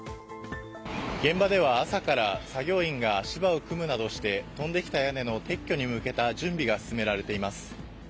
現場では朝から作業員が足場を組むなどして飛んできた屋根の撤去に向けた準備が進められています。